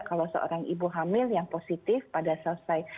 kalau seorang ibu hamil yang positif pada selesai